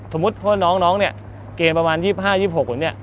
สมมุติเพราะน้องเนี่ยเกณฑ์ประมาณ๒๕๒๖คนเนี่ย